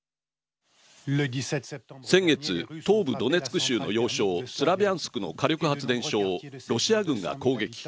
先月、東部ドネツク州の要衝スラビャンスクの火力発電所をロシア軍が攻撃。